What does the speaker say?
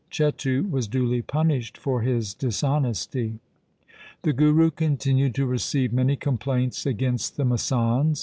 Chetu was duly pun ished for his dishonesty. The Guru continued to receive many complaints against the masands.